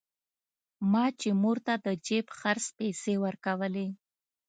ما چې مور ته د جيب خرڅ پيسې ورکولې.